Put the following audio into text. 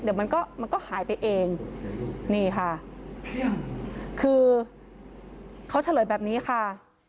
เดี๋ยวมันก็มันก็หายไปเองนี่ค่ะคือเขาเฉลยแบบนี้ค่ะ